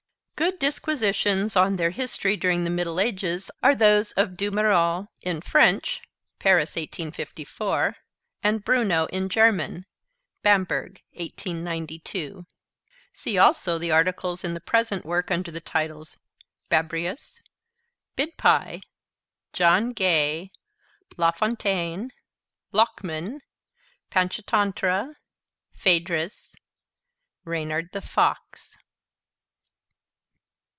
Good disquisitions on their history during the Middle Ages are those of Du Méril in French (Paris, 1854) and Bruno in German (Bamberg, 1892). See also the articles in the present work under the titles 'Babrius,' 'Bidpai,' 'John Gay,' 'Lafontaine,' 'Lokman,' 'Panchatantra,' 'Phaedrus,' 'Reynard the Fox.'